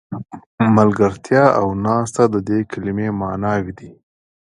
ملګرتیا او ناسته د دې کلمې معناوې دي.